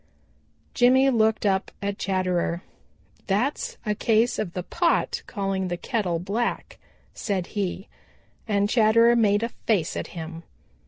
Jimmy looked up at Chatterer. "That's a case of the pot calling the kettle black," said he and Chatterer made a face at him.